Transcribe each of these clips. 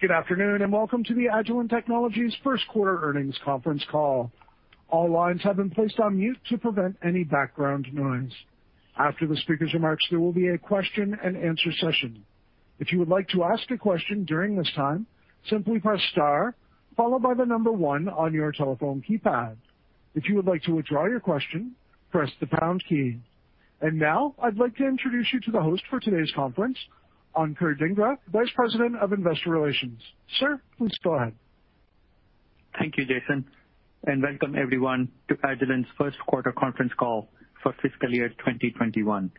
Good afternoon, and welcome to the Agilent Technologies first quarter earnings conference call. All lines have been placed on mute to prevent any background noise. After the speaker's remarks, there will be a question and answer session. If you would like to ask a question during this time, simply press star, followed by the number one on your telephone keypad. If you would like to withdraw your question, press the pound key. Now I'd like to introduce you to the host for today's conference, Ankur Dhingra, Vice President, Investor Relations. Sir, please go ahead. Thank you, Jason, and welcome everyone to Agilent's first quarter conference call for fiscal year 2021.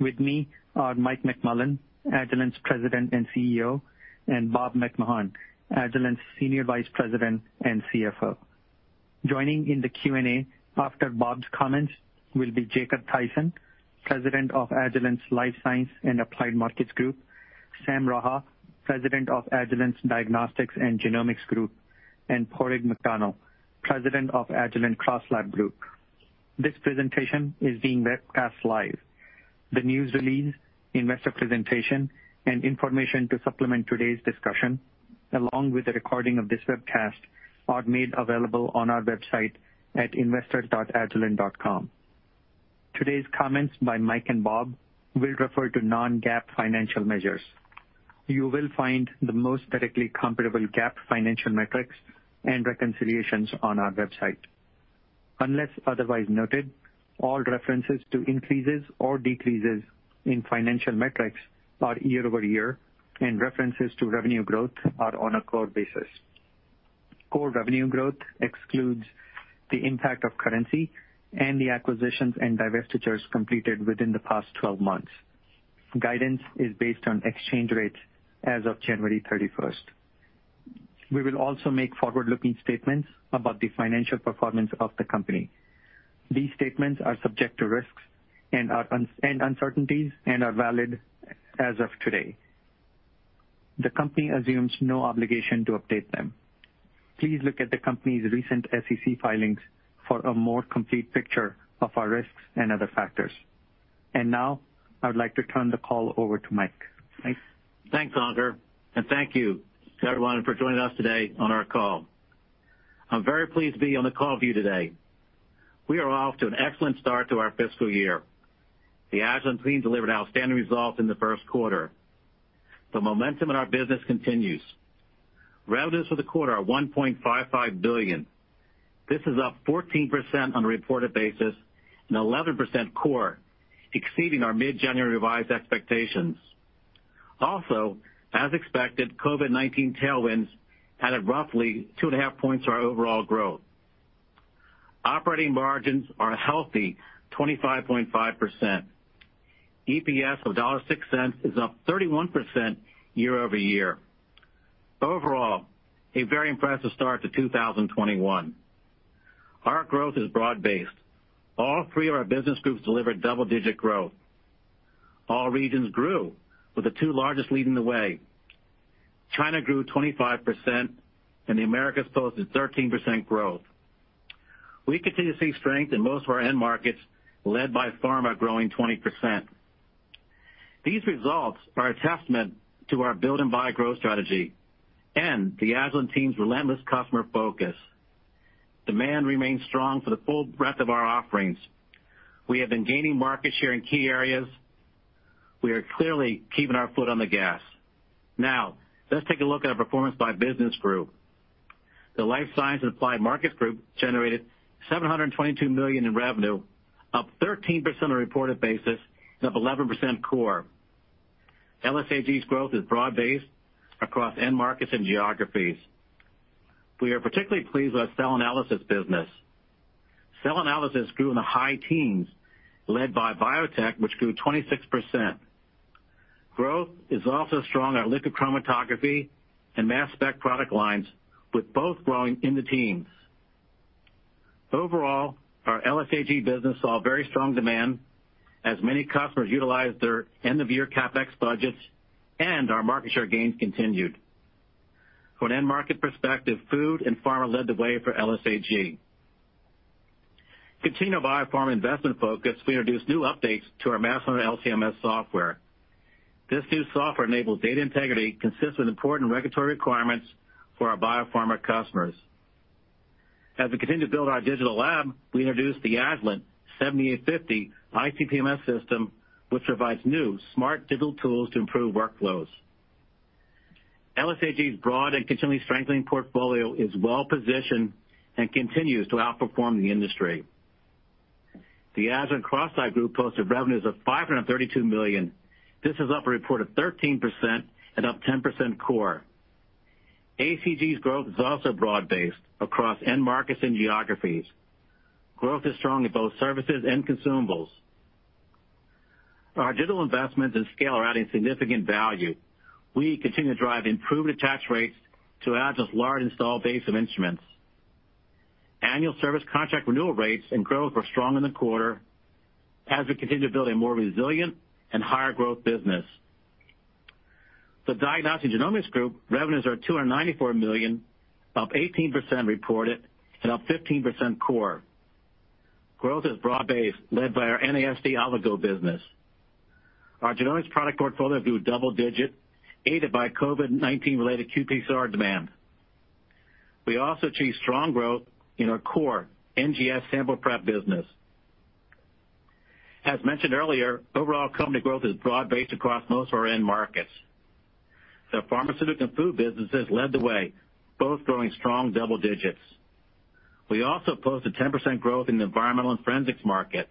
With me are Mike McMullen, Agilent's President and CEO, and Bob McMahon, Agilent's Senior Vice President and CFO. Joining in the Q&A after Bob's comments will be Jacob Thaysen, President of Agilent's Life Science and Applied Markets Group, Sam Raha, President of Agilent's Diagnostics and Genomics Group, and Padraig McDonnell, President of Agilent CrossLab Group. This presentation is being webcast live. The news release, investor presentation, and information to supplement today's discussion, along with a recording of this webcast, are made available on our website at investor.agilent.com. Today's comments by Mike and Bob will refer to non-GAAP financial measures. You will find the most directly comparable GAAP financial metrics and reconciliations on our website. Unless otherwise noted, all references to increases or decreases in financial metrics are year-over-year, and references to revenue growth are on a core basis. Core revenue growth excludes the impact of currency and the acquisitions and divestitures completed within the past 12 months. Guidance is based on exchange rates as of January 31st. We will also make forward-looking statements about the financial performance of the company. These statements are subject to risks and uncertainties and are valid as of today. The company assumes no obligation to update them. Please look at the company's recent SEC filings for a more complete picture of our risks and other factors. Now I would like to turn the call over to Mike. Mike? Thanks, Ankur, and thank you to everyone for joining us today on our call. I'm very pleased to be on the call with you today. We are off to an excellent start to our fiscal year. The Agilent team delivered outstanding results in the first quarter. The momentum in our business continues. Revenues for the quarter are $1.55 billion. This is up 14% on a reported basis and 11% core, exceeding our mid-January revised expectations. As expected, COVID-19 tailwinds added roughly two and a half points to our overall growth. Operating margins are a healthy 25.5%. EPS of $1.06 is up 31% year-over-year. A very impressive start to 2021. Our growth is broad-based. All three of our business groups delivered double-digit growth. All regions grew, with the two largest leading the way. China grew 25%. The Americas posted 13% growth. We continue to see strength in most of our end markets, led by pharma growing 20%. These results are a testament to our build and buy growth strategy and the Agilent team's relentless customer focus. Demand remains strong for the full breadth of our offerings. We have been gaining market share in key areas. We are clearly keeping our foot on the gas. Now, let's take a look at our performance by business group. The Life Science and Applied Markets Group generated $722 million in revenue, up 13% on a reported basis and up 11% core. LSAG's growth is broad-based across end markets and geographies. We are particularly pleased with our cell analysis business. Cell analysis grew in the high teens, led by biotech, which grew 26%. Growth is also strong at liquid chromatography and mass spec product lines, with both growing in the teens. Overall, our LSAG business saw very strong demand as many customers utilized their end-of-year CapEx budgets and our market share gains continued. From an end market perspective, food and pharma led the way for LSAG. To continue our biopharma investment focus, we introduced new updates to our MassHunter LC-MS software. This new software enables data integrity consistent with important regulatory requirements for our biopharma customers. As we continue to build our digital lab, we introduced the Agilent 7850 ICP-MS system, which provides new smart digital tools to improve workflows. LSAG's broad and continually strengthening portfolio is well-positioned and continues to outperform the industry. The Agilent CrossLab Group posted revenues of $532 million. This is up a reported 13% and up 10% core. ACG's growth is also broad-based across end markets and geographies. Growth is strong in both services and consumables. Our digital investments and scale are adding significant value. We continue to drive improved attach rates to Ag's large installed base of instruments. Annual service contract renewal rates and growth were strong in the quarter as we continue to build a more resilient and higher growth business. The Diagnostics and Genomics Group revenues are $294 million, up 18% reported and up 15% core. Growth is broad-based, led by our NASD oligos business. Our genomics product portfolio grew double digit, aided by COVID-19 related qPCR demand. We also achieved strong growth in our core NGS sample prep business. As mentioned earlier, overall company growth is broad-based across most of our end markets. The pharmaceutical and food businesses led the way, both growing strong double digits. We also posted 10% growth in the environmental and forensics market.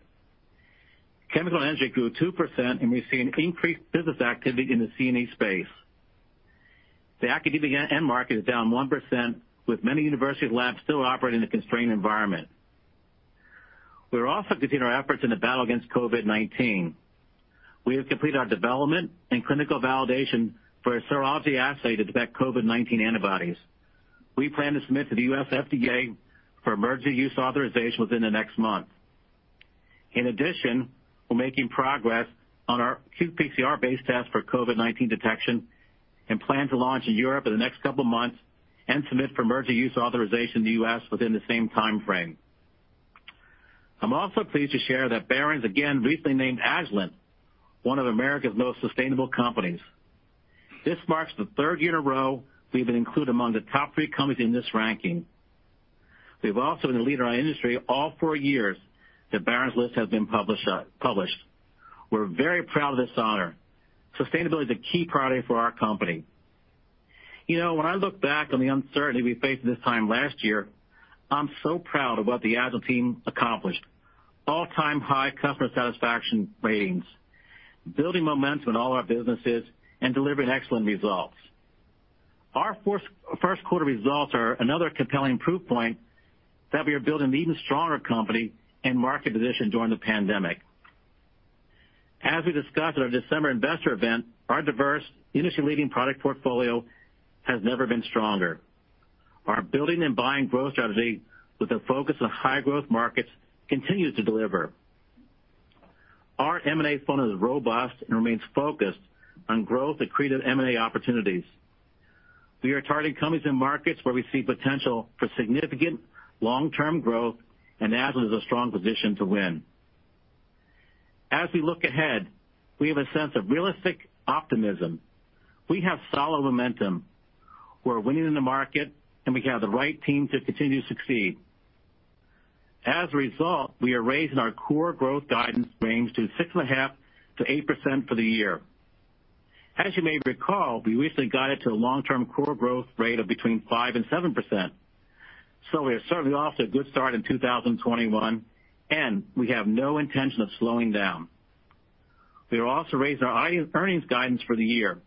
Chemical & Energy grew 2%, and we've seen increased business activity in the C&E space. The academic end market is down 1%, with many university labs still operating in a constrained environment. We're also continuing our efforts in the battle against COVID-19. We have completed our development and clinical validation for a serology assay to detect COVID-19 antibodies. We plan to submit to the U.S. FDA for Emergency Use Authorization within the next month. We're making progress on our qPCR-based test for COVID-19 detection and plan to launch in Europe in the next couple of months and submit for Emergency Use Authorization in the U.S. within the same timeframe. I'm also pleased to share that Barron's again recently named Agilent one of America's most sustainable companies. This marks the third year in a row we've been included among the top three companies in this ranking. We've also been a leader in our industry all four years that Barron's list has been published. We're very proud of this honor. Sustainability is a key priority for our company. When I look back on the uncertainty we faced this time last year, I'm so proud of what the Agilent team accomplished. All-time high customer satisfaction ratings, building momentum in all our businesses, and delivering excellent results. Our first quarter results are another compelling proof point that we are building an even stronger company and market position during the pandemic. As we discussed at our December investor event, our diverse industry-leading product portfolio has never been stronger. Our building and buying growth strategy with a focus on high growth markets continues to deliver. Our M&A funnel is robust and remains focused on growth accretive M&A opportunities. We are targeting companies and markets where we see potential for significant long-term growth and Agilent is in a strong position to win. As we look ahead, we have a sense of realistic optimism. We have solid momentum. We're winning in the market, and we have the right team to continue to succeed. As a result, we are raising our core growth guidance range to 6.5%-8% for the year. As you may recall, we recently guided to a long-term core growth rate of between 5% and 7%. We are certainly off to a good start in 2021, and we have no intention of slowing down. We are also raising our earnings guidance for the year.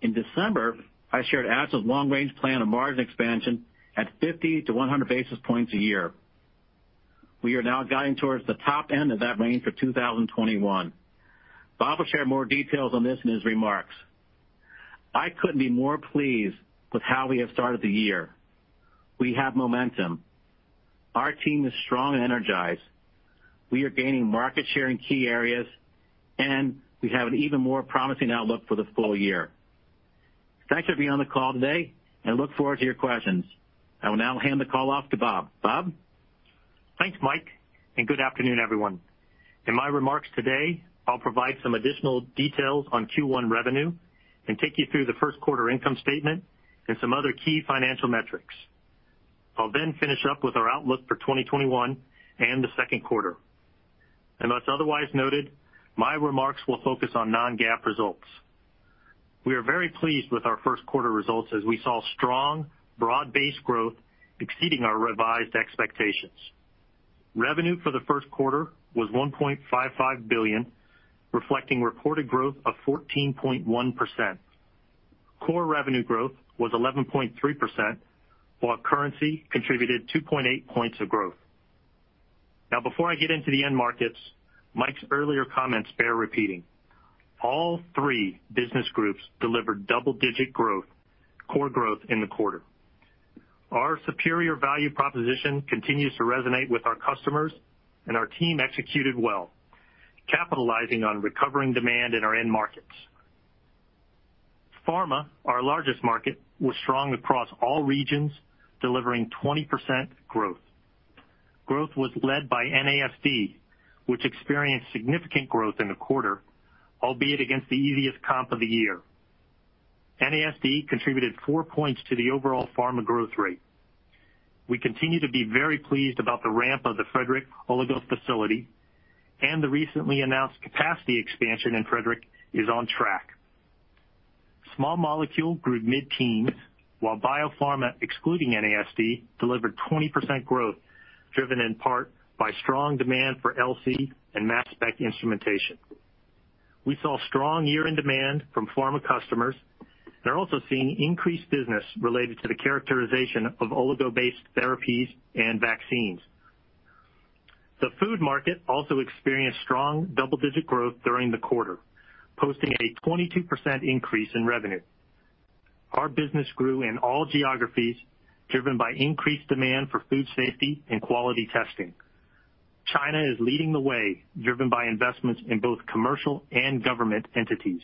In December, I shared Agilent's long-range plan of margin expansion at 50-100 basis points a year. We are now guiding towards the top end of that range for 2021. Bob will share more details on this in his remarks. I couldn't be more pleased with how we have started the year. We have momentum. Our team is strong and energized. We are gaining market share in key areas, and we have an even more promising outlook for the full year. Thanks for being on the call today, and I look forward to your questions. I will now hand the call off to Bob. Bob? Thanks, Mike. Good afternoon, everyone. In my remarks today, I'll provide some additional details on Q1 revenue and take you through the first quarter income statement and some other key financial metrics. I'll finish up with our outlook for 2021 and the second quarter. Unless otherwise noted, my remarks will focus on non-GAAP results. We are very pleased with our first quarter results as we saw strong, broad-based growth exceeding our revised expectations. Revenue for the first quarter was $1.55 billion, reflecting reported growth of 14.1%. Core revenue growth was 11.3%, while currency contributed 2.8 points of growth. Before I get into the end markets, Mike's earlier comments bear repeating. All three business groups delivered double-digit growth, core growth in the quarter. Our superior value proposition continues to resonate with our customers, our team executed well, capitalizing on recovering demand in our end markets. Pharma, our largest market, was strong across all regions, delivering 20% growth. Growth was led by NASD, which experienced significant growth in the quarter, albeit against the easiest comp of the year. NASD contributed four points to the overall pharma growth rate. We continue to be very pleased about the ramp of the Frederick Oligos facility, and the recently announced capacity expansion in Frederick is on track. Small molecule grew mid-teens, while biopharma, excluding NASD, delivered 20% growth, driven in part by strong demand for LC and mass spec instrumentation. We saw strong year-end demand from pharma customers, and are also seeing increased business related to the characterization of oligo-based therapies and vaccines. The food market also experienced strong double-digit growth during the quarter, posting a 22% increase in revenue. Our business grew in all geographies, driven by increased demand for food safety and quality testing. China is leading the way, driven by investments in both commercial and government entities.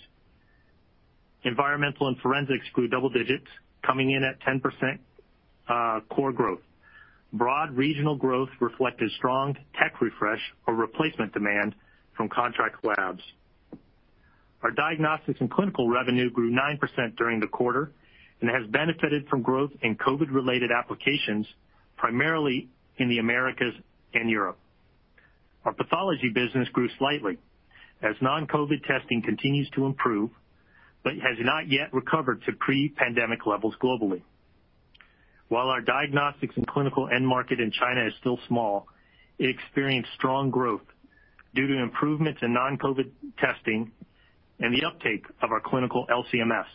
Environmental and forensics grew double digits, coming in at 10% core growth. Broad regional growth reflected strong tech refresh or replacement demand from contract labs. Our diagnostics and clinical revenue grew 9% during the quarter, and has benefited from growth in COVID-related applications, primarily in the Americas and Europe. Our pathology business grew slightly as non-COVID testing continues to improve, but has not yet recovered to pre-pandemic levels globally. While our diagnostics and clinical end market in China is still small, it experienced strong growth due to improvements in non-COVID testing and the uptake of our clinical LC-MS.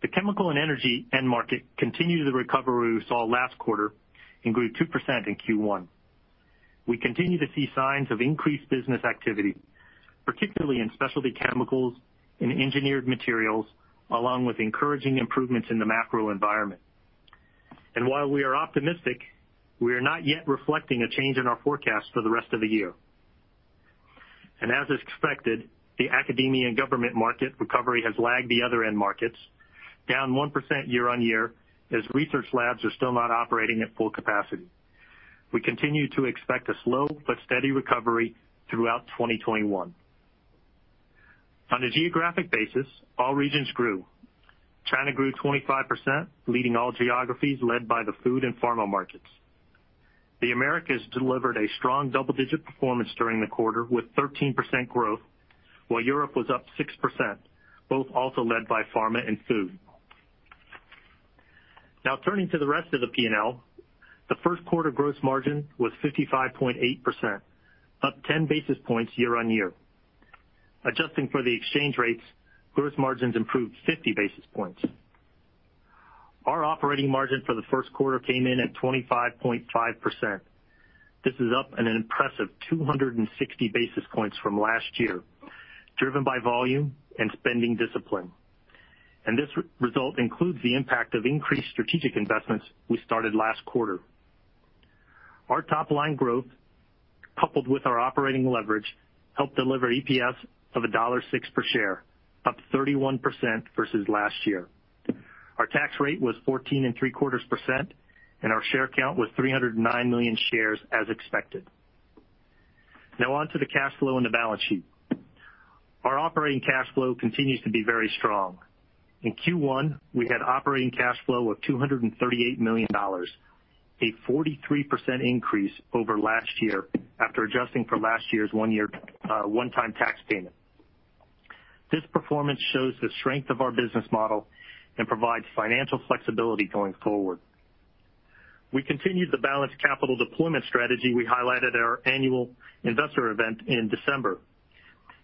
The chemical and energy end market continued the recovery we saw last quarter and grew 2% in Q1. We continue to see signs of increased business activity, particularly in specialty chemicals and engineered materials, along with encouraging improvements in the macro environment. While we are optimistic, we are not yet reflecting a change in our forecast for the rest of the year. As expected, the academia and government market recovery has lagged the other end markets, down 1% year-over-year as research labs are still not operating at full capacity. We continue to expect a slow but steady recovery throughout 2021. On a geographic basis, all regions grew. China grew 25%, leading all geographies, led by the food and pharma markets. The Americas delivered a strong double-digit performance during the quarter, with 13% growth, while Europe was up 6%, both also led by pharma and food. Turning to the rest of the P&L. The first quarter gross margin was 55.8%, up 10 basis points year-over-year. Adjusting for the exchange rates, gross margins improved 50 basis points. Our operating margin for the first quarter came in at 25.5%. This is up an impressive 260 basis points from last year, driven by volume and spending discipline. This result includes the impact of increased strategic investments we started last quarter. Our top-line growth, coupled with our operating leverage, helped deliver EPS of $1.06 per share, up 31% versus last year. Our tax rate was 14.75%, and our share count was 309 million shares as expected. Now on to the cash flow and the balance sheet. Our operating cash flow continues to be very strong. In Q1, we had operating cash flow of $238 million, a 43% increase over last year after adjusting for last year's one-time tax payment. This performance shows the strength of our business model and provides financial flexibility going forward. We continued the balanced capital deployment strategy we highlighted at our annual investor event in December.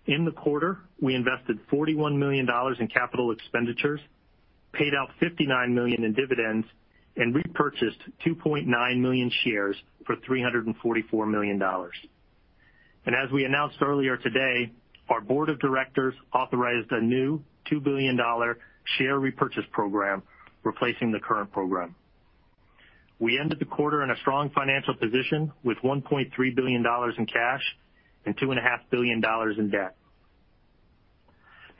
In the quarter, we invested $41 million in capital expenditures, paid out $59 million in dividends, and repurchased 2.9 million shares for $344 million. As we announced earlier today, our board of directors authorized a new $2 billion share repurchase program, replacing the current program. We ended the quarter in a strong financial position with $1.3 billion in cash and $2.5 billion in debt.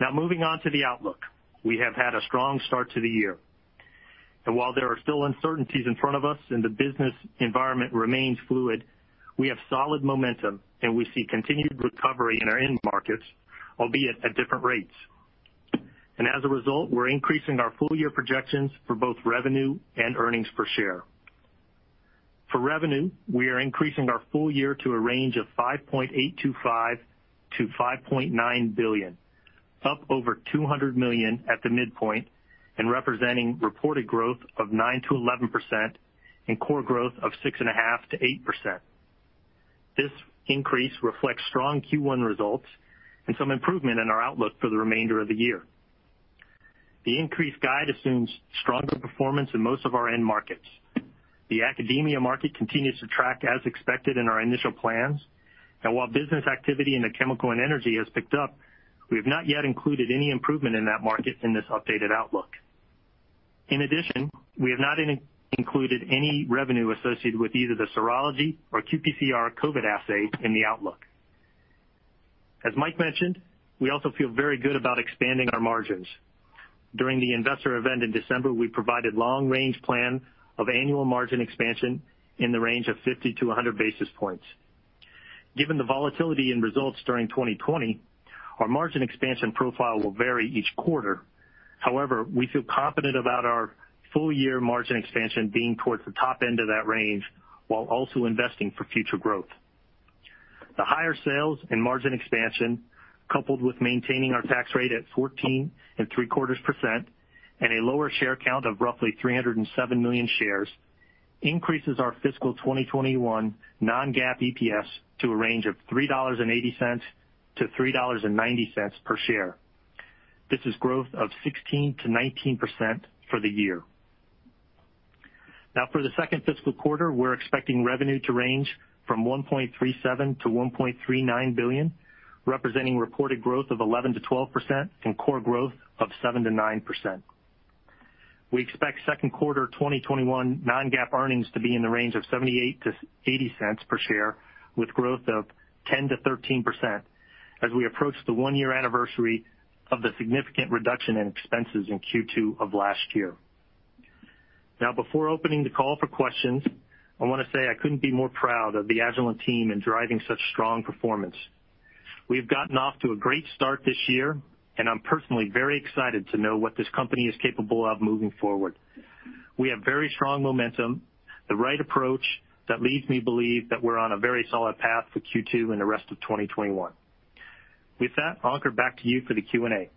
Now moving on to the outlook. We have had a strong start to the year. While there are still uncertainties in front of us and the business environment remains fluid, we have solid momentum, and we see continued recovery in our end markets, albeit at different rates. As a result, we're increasing our full-year projections for both revenue and earnings per share. For revenue, we are increasing our full year to a range of $5.825 billion-$5.9 billion, up over $200 million at the midpoint and representing reported growth of 9%-11% and core growth of 6.5%-8%. This increase reflects strong Q1 results and some improvement in our outlook for the remainder of the year. The increased guide assumes stronger performance in most of our end markets. The academia market continues to track as expected in our initial plans, and while business activity in the Chemical & Energy has picked up, we have not yet included any improvement in that market in this updated outlook. In addition, we have not included any revenue associated with either the serology or qPCR COVID assay in the outlook. As Mike mentioned, we also feel very good about expanding our margins. During the investor event in December, we provided long-range plan of annual margin expansion in the range of 50 to 100 basis points. Given the volatility in results during 2020, our margin expansion profile will vary each quarter. However, we feel confident about our full-year margin expansion being towards the top end of that range while also investing for future growth. The higher sales and margin expansion, coupled with maintaining our tax rate at 14.75% and a lower share count of roughly 307 million shares, increases our fiscal 2021 non-GAAP EPS to a range of $3.80 to $3.90 per share. This is growth of 16% to 19% for the year. Now for the second fiscal quarter, we're expecting revenue to range from $1.37 billion-$1.39 billion, representing reported growth of 11%-12% and core growth of 7%-9%. We expect second quarter 2021 non-GAAP earnings to be in the range of $0.78-$0.80 per share, with growth of 10%-13% as we approach the one-year anniversary of the significant reduction in expenses in Q2 of last year. Now, before opening the call for questions, I want to say I couldn't be more proud of the Agilent team in driving such strong performance. We've gotten off to a great start this year, and I'm personally very excited to know what this company is capable of moving forward. We have very strong momentum, the right approach that leads me to believe that we're on a very solid path for Q2 and the rest of 2021. With that, Ankur back to you for the Q&A.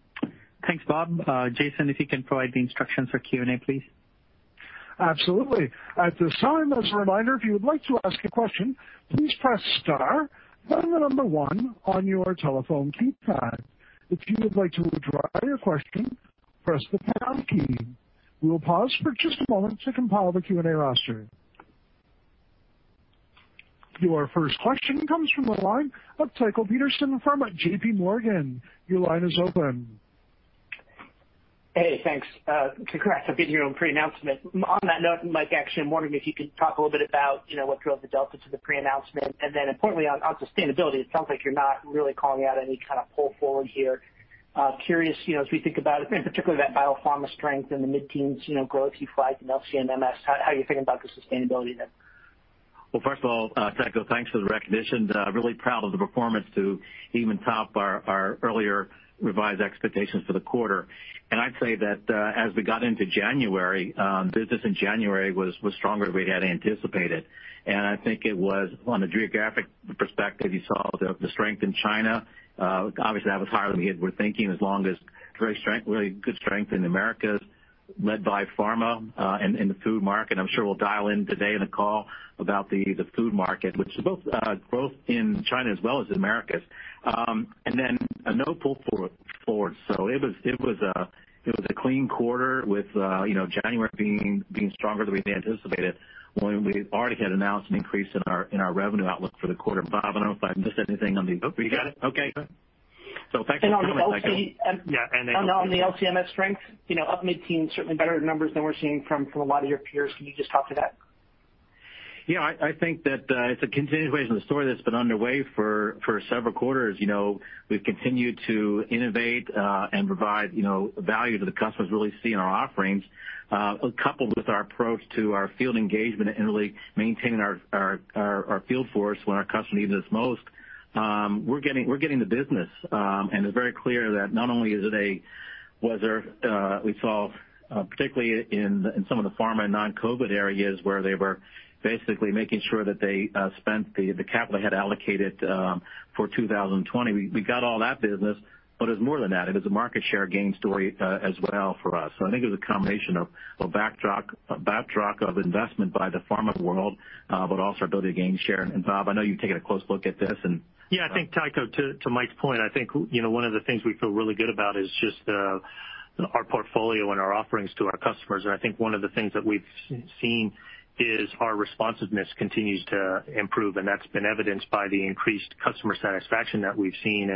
Thanks, Bob. Ankur, if you can provide the instructions for Q&A, please. Absolutely. At this time, as a reminder, if you would like to ask a question, please press star, then the number one on your telephone keypad. If you would like to withdraw your question, press the pound key. We will pause for just a moment to compile the Q&A roster. Your first question comes from the line of Tycho Peterson from JP Morgan. Your line is open. Hey, thanks. Congrats on getting your own pre-announcement. On that note, Mike, actually I'm wondering if you could talk a little bit about what drove the delta to the pre-announcement, and then importantly on sustainability, it sounds like you're not really calling out any kind of pull forward here. Curious, as we think about it, in particular that biopharma strength in the mid-teens growth you flagged in LC and MS. How are you thinking about the sustainability there? Well, first of all, Tycho, thanks for the recognition. Really proud of the performance to even top our earlier revised expectations for the quarter. I'd say that as we got into January, business in January was stronger than we had anticipated. I think it was on the geographic perspective, you saw the strength in China. Obviously that was higher than we had been thinking as long as very good strength in Americas led by pharma, and in the food market. I'm sure we'll dial in today in the call about the food market, which is both growth in China as well as Americas. No pull forward. It was a clean quarter with January being stronger than we'd anticipated, when we already had announced an increase in our revenue outlook for the quarter. Bob, I don't know if I missed anything. Oh, you got it? Okay. Thanks for the comment, Tycho. On the LC- Yeah. On the LC-MS strength, up mid-teen, certainly better numbers than we're seeing from a lot of your peers. Can you just talk to that? I think that it's a continuation of the story that's been underway for several quarters. We've continued to innovate, and provide value that the customers really see in our offerings. Coupled with our approach to our field engagement and really maintaining our field force when our customer needs us most. We're getting the business, and it's very clear that not only is it a, whether we saw, particularly in some of the pharma and non-COVID-19 areas where they were basically making sure that they spent the capital they had allocated for 2020. We got all that business. It's more than that. It is a market share gain story as well for us. I think it was a combination of backdrop of investment by the pharma world, but also our ability to gain share. Bob, I know you've taken a close look at this. Tycho, to Mike's point, one of the things we feel really good about is just our portfolio and our offerings to our customers. One of the things that we've seen is our responsiveness continues to improve, and that's been evidenced by the increased customer satisfaction that we've seen.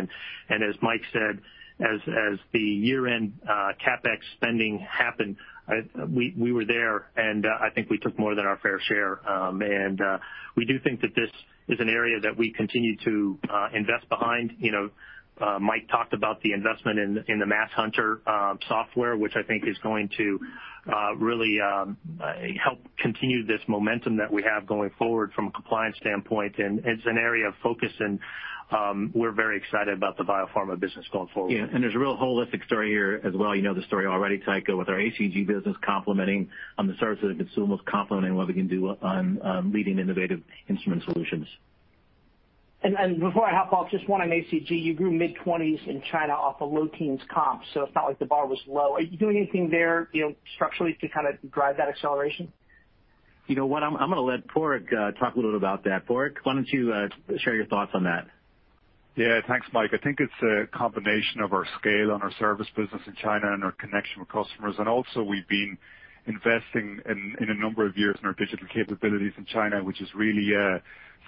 As Mike said, as the year-end CapEx spending happened, we were there, and we took more than our fair share. We do think that this is an area that we continue to invest behind. Mike talked about the investment in the MassHunter software, which is going to really help continue this momentum that we have going forward from a compliance standpoint. It's an area of focus and we're very excited about the biopharma business going forward. Yeah. There's a real holistic story here as well. You know the story already, Tycho, with our ACG business complementing on the service that the consumables complementing what we can do on leading innovative instrument solutions. Before I hop off, just one on ACG. You grew mid-20s in China off of low teens comp, so it's not like the bar was low. Are you doing anything there structurally to kind of drive that acceleration? You know what? I'm going to let Padraig talk a little about that. Padraig, why don't you share your thoughts on that? Yeah. Thanks, Mike. I think it's a combination of our scale and our service business in China and our connection with customers. Also we've been investing in a number of years in our digital capabilities in China, which is really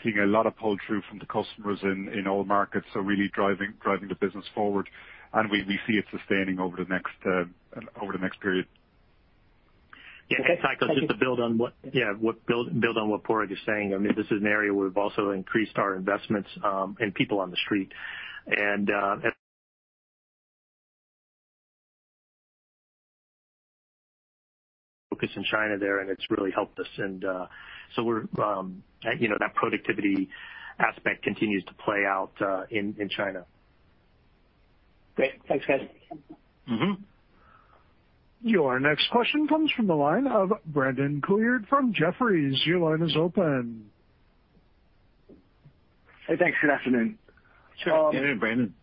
seeing a lot of pull-through from the customers in all markets, so really driving the business forward. We see it sustaining over the next period. Yeah. Okay. Tycho, just to build on what Padraig is saying. I mean, this is an area we've also increased our investments, in people on the street. Focus in China there, and it's really helped us. That productivity aspect continues to play out in China. Great. Thanks, guys. Your next question comes from the line of Brandon Couillard from Jefferies. Your line is open. Hey, thanks. Good afternoon. Sure. Good evening, Brandon.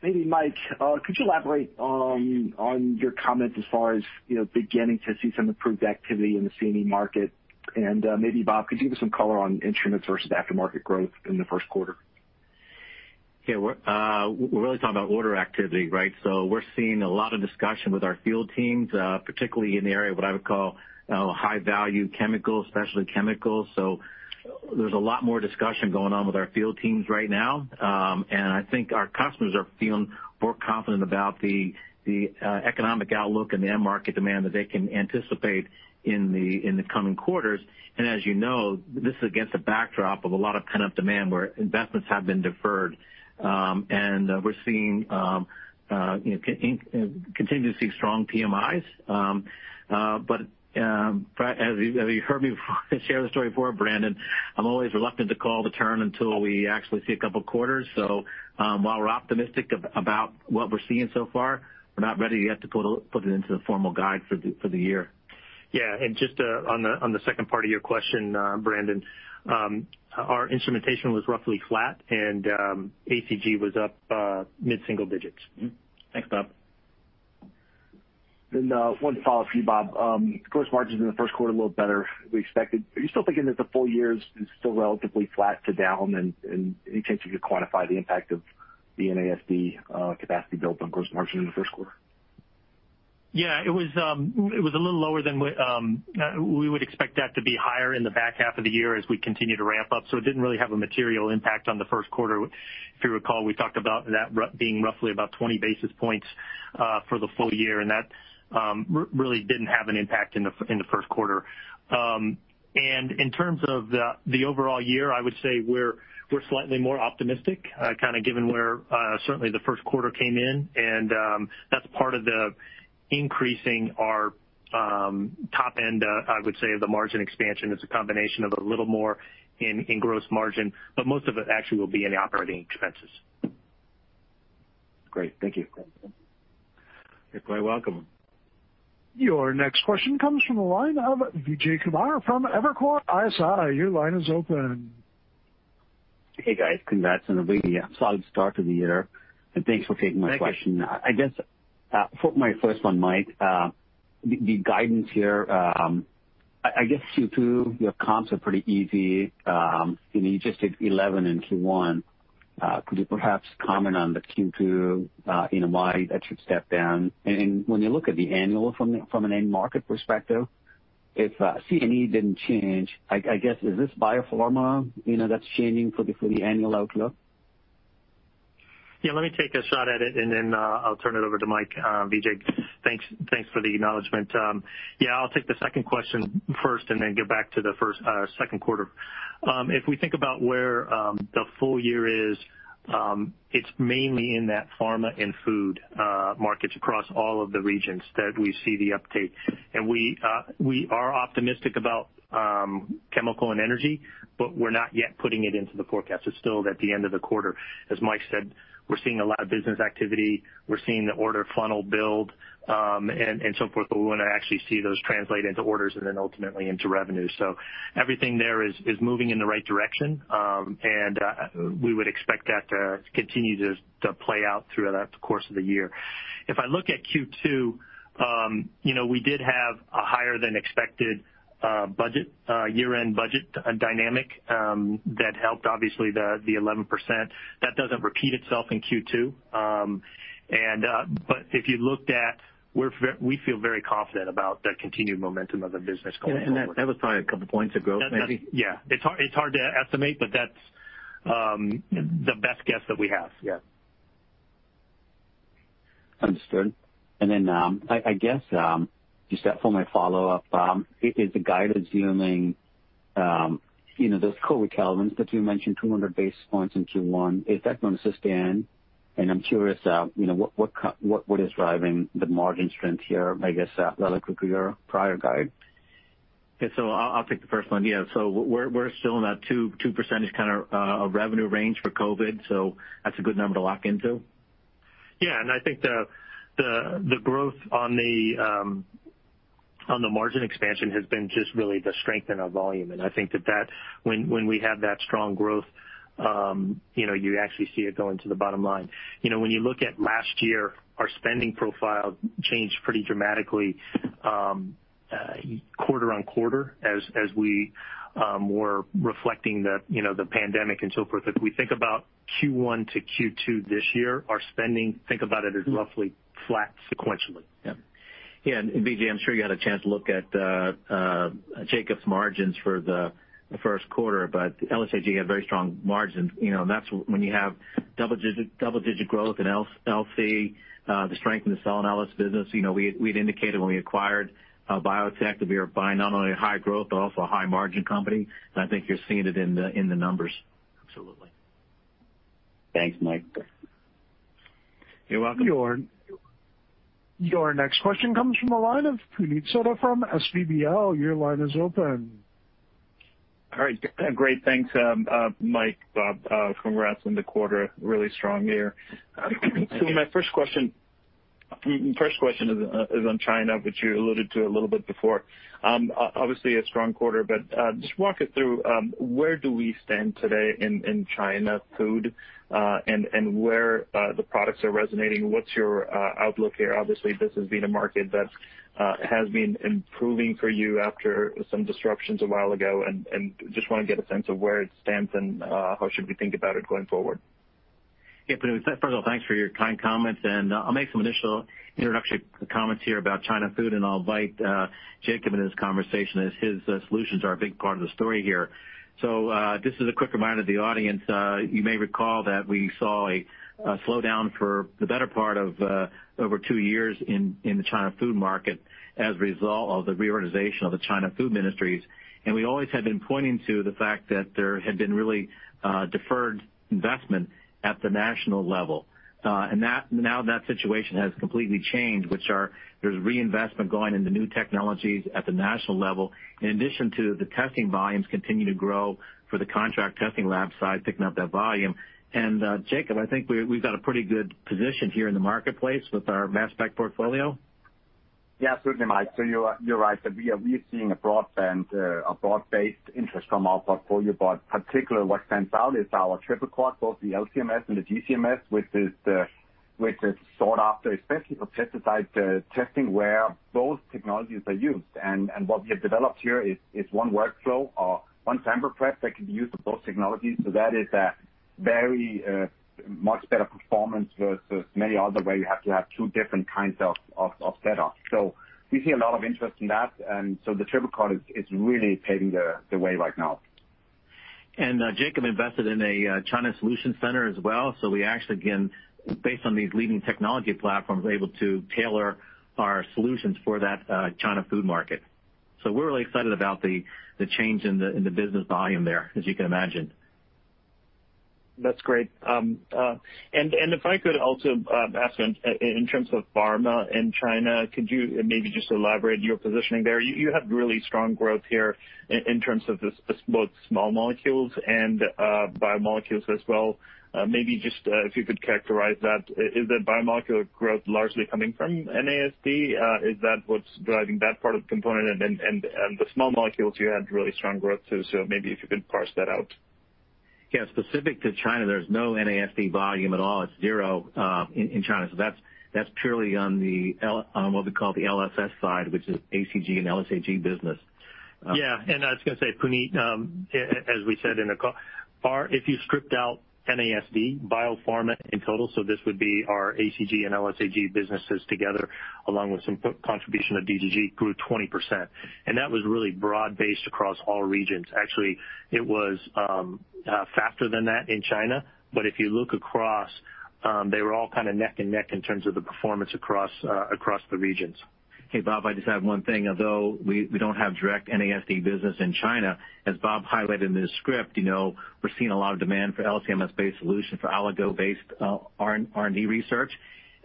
Maybe Mike, could you elaborate on your comment as far as beginning to see some improved activity in the C&E market? Maybe Bob, could you give us some color on instrument versus aftermarket growth in the first quarter? Yeah. We're really talking about order activity, right? We're seeing a lot of discussion with our field teams, particularly in the area of what I would call high value chemicals, specialty chemicals. There's a lot more discussion going on with our field teams right now. I think our customers are feeling more confident about the economic outlook and the end market demand that they can anticipate in the coming quarters. As you know, this is against a backdrop of a lot of pent-up demand where investments have been deferred. We're continuing to see strong PMIs. As you've heard me share the story before, Brandon, I'm always reluctant to call the turn until we actually see a couple of quarters. While we're optimistic about what we're seeing so far, we're not ready yet to put it into the formal guide for the year. Yeah. Just on the second part of your question, Brandon, our instrumentation was roughly flat, and ACG was up mid-single digits. Thanks, Bob. One follow-up for you, Bob. Gross margins in the first quarter, a little better than we expected. Are you still thinking that the full year is still relatively flat to down? Any chance you could quantify the impact of the NASD capacity build on gross margin in the first quarter? Yeah, we would expect that to be higher in the back half of the year as we continue to ramp up, so it didn't really have a material impact on the first quarter. If you recall, we talked about that being roughly about 20 basis points for the full year, and that really didn't have an impact in the first quarter. In terms of the overall year, I would say we're slightly more optimistic, given where certainly the first quarter came in. That's part of the increasing our top end, I would say, the margin expansion. It's a combination of a little more in gross margin, but most of it actually will be in the operating expenses. Great. Thank you. You're quite welcome. Your next question comes from the line of Vijay Kumar from Evercore ISI. Your line is open. Hey, guys. Congrats on a really solid start to the year. Thanks for taking my question. Thank you. I guess for my first one, Mike, the guidance here, I guess Q2, your comps are pretty easy. You just hit 11 in Q1. Could you perhaps comment on the Q2, why that should step down? And when you look at the annual from an end market perspective, if C&E didn't change, I guess, is this biopharma that's changing for the annual outlook? Yeah, let me take a shot at it, and then I'll turn it over to Mike. Vijay, thanks for the acknowledgement. Yeah, I'll take the second question first and then get back to the second quarter. If we think about where the full year is, it's mainly in that pharma and food markets across all of the regions that we see the uptake. We are optimistic about Chemical and Energy, but we're not yet putting it into the forecast. It's still at the end of the quarter. As Mike said, we're seeing a lot of business activity. We're seeing the order funnel build, and so forth, but we want to actually see those translate into orders and then ultimately into revenue. Everything there is moving in the right direction. We would expect that to continue to play out throughout the course of the year. If I look at Q2, we did have a higher-than-expected year-end budget dynamic that helped obviously the 11%. That doesn't repeat itself in Q2. We feel very confident about the continued momentum of the business going forward. Yeah. That was probably a couple of points of growth, maybe. Yeah. It's hard to estimate, but that's the best guess that we have. Yeah. Understood. Then I guess, just for my follow-up, is the guidance assuming those COVID-19 tailwinds that you mentioned, 200 basis points in Q1, is that going to sustain? I'm curious, what is driving the margin strength here, I guess, relative to your prior guide? Okay. I'll take the first one. Yeah. We're still in that 2% kind of revenue range for COVID, so that's a good number to lock into. Yeah, I think the growth on the margin expansion has been just really the strength in our volume. I think that when we have that strong growth, you actually see it going to the bottom line. When you look at last year, our spending profile changed pretty dramatically quarter-on-quarter as we were reflecting the pandemic and so forth. If we think about Q1 to Q2 this year, our spending, think about it, as roughly flat sequentially. Yeah. Vijay, I'm sure you had a chance to look at Jacob's margins for the first quarter, but LSAG had very strong margins. That's when you have double-digit growth in LC, the strength in the cell analysis business. We'd indicated when we acquired BioTek that we were buying not only a high growth but also a high margin company. I think you're seeing it in the numbers. Absolutely. Thanks, Mike. You're welcome. Your next question comes from the line of Puneet Souda from SVB Leerink. Your line is open. All right. Great, thanks. Mike, Bob, congrats on the quarter. Really strong year. My first question is on China, which you alluded to a little bit before. Obviously a strong quarter, but just walk us through where do we stand today in China food, and where the products are resonating. What's your outlook here? Obviously, this has been a market that has been improving for you after some disruptions a while ago, and just want to get a sense of where it stands and how should we think about it going forward? Yeah, Puneet, first of all, thanks for your kind comments. I'll make some initial introductory comments here about China food, and I'll invite Jacob into this conversation, as his solutions are a big part of the story here. Just as a quick reminder to the audience, you may recall that we saw a slowdown for the better part of over two years in the China food market as a result of the reorganization of the China food ministries. We always had been pointing to the fact that there had been really deferred investment at the national level. Now that situation has completely changed, which are, there's reinvestment going into new technologies at the national level, in addition to the testing volumes continue to grow for the contract testing lab side picking up that volume. Jacob, I think we've got a pretty good position here in the marketplace with our mass spec portfolio. Absolutely, Mike. You're right that we are seeing a broad-based interest from our portfolio. Particularly what stands out is our triple quad, both the LC-MS and the GC-MS, which is sought after, especially for pesticide testing, where both technologies are used. What we have developed here is one workflow or one sample prep that can be used for both technologies. That is a very much better performance versus many other where you have to have two different kinds of setup. We see a lot of interest in that, the triple quad is really paving the way right now. Jacob invested in a China Solution Center as well. We actually, again, based on these leading technology platforms, are able to tailor our solutions for that China food market. We're really excited about the change in the business volume there, as you can imagine. That's great. If I could also ask, in terms of pharma in China, could you maybe just elaborate your positioning there? You have really strong growth here in terms of both small molecules and biomolecules as well. Maybe just if you could characterize that. Is the biomolecular growth largely coming from NASD? Is that what's driving that part of the component? The small molecules, you had really strong growth, too. Maybe if you could parse that out. Yeah. Specific to China, there's no NASD volume at all. It's zero in China. That's purely on what we call the LSS side, which is ACG and LSAG business. Yeah. I was going to say, Puneet, as we said in the call, if you stripped out NASD biopharma in total, so this would be our ACG and LSAG businesses together, along with some contribution of DGG, grew 20%. That was really broad based across all regions. Actually, it was faster than that in China. If you look across, they were all kind of neck and neck in terms of the performance across the regions. Hey, Bob, I just have one thing. We don't have direct NASD business in China, as Bob highlighted in his script, we're seeing a lot of demand for LC-MS-based solutions for oligo-based R&D research.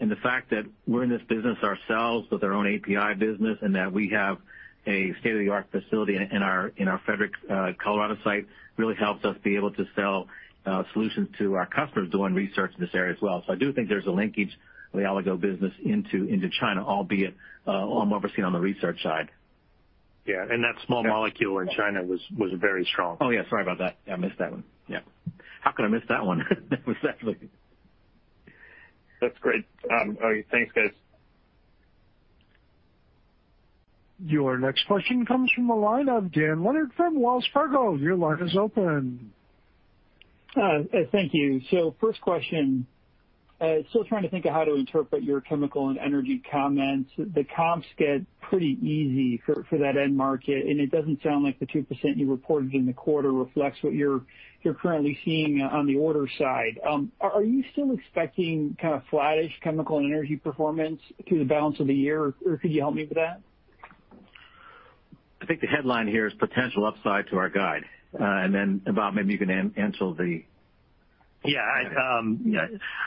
The fact that we're in this business ourselves with our own API business, and that we have a state-of-the-art facility in our Frederick, Colorado site, really helps us be able to sell solutions to our customers doing research in this area as well. I do think there's a linkage of the oligo business into China, albeit all more we're seeing on the research side. Yeah. That small molecule in China was very strong. Oh, yeah. Sorry about that. I missed that one. Yeah. How could I miss that one? That was that big. That's great. All right, thanks, guys. Your next question comes from the line of Dan Leonard from Wells Fargo. Your line is open. Thank you. First question, still trying to think of how to interpret your Chemical & Energy comments. The comps get pretty easy for that end market, and it doesn't sound like the 2% you reported in the quarter reflects what you're currently seeing on the order side. Are you still expecting kind of flattish Chemical & Energy performance through the balance of the year? Could you help me with that? I think the headline here is potential upside to our guide. Bob, maybe you can answer? Yeah.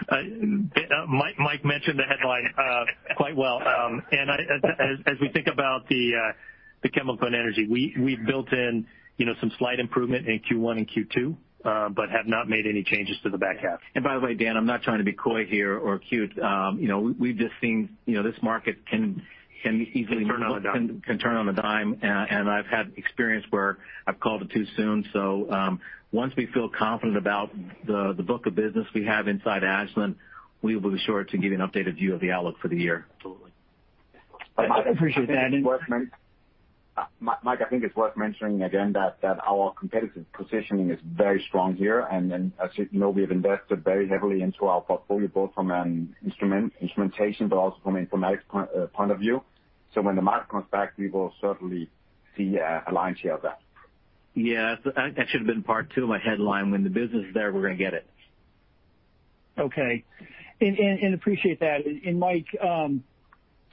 Mike mentioned the headline quite well. As we think about the Chemical & Energy, we've built in some slight improvement in Q1 and Q2, but have not made any changes to the back half. By the way, Dan, I'm not trying to be coy here or cute. We've just seen this market can easily. Can turn on a dime. Can turn on a dime. I've had experience where I've called it too soon. Once we feel confident about the book of business we have inside Agilent, we will be sure to give you an updated view of the outlook for the year. Absolutely. I appreciate that. Mike, I think it's worth mentioning again that our competitive positioning is very strong here. As you know, we have invested very heavily into our portfolio, both from an instrumentation, but also from an informatics point of view. When the market comes back, we will certainly see a lion's share of that. Yeah. That should've been part two of my headline. When the business is there, we're going to get it. Okay. Appreciate that. Mike,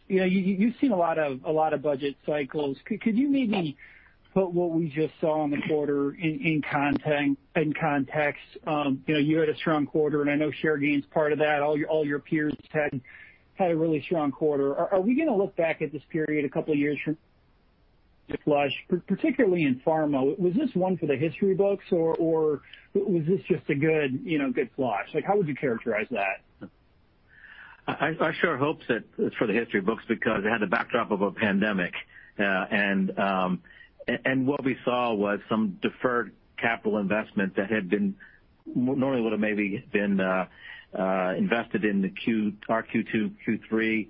you've seen a lot of budget cycles. Could you maybe put what we just saw in the quarter in context? You had a strong quarter, and I know share gain's part of that. All your peers had a really strong quarter. Are we going to look back at this period a couple of years from now with much, particularly in pharma, was this one for the history books, or was this just a good flush? How would you characterize that? I sure hope that it's for the history books because it had the backdrop of a pandemic. What we saw was some deferred capital investment that normally would have maybe been invested in our Q2, Q3,